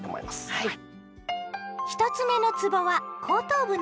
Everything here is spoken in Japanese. はい。